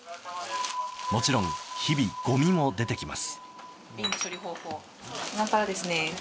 もちろん日々ごみも出てきます。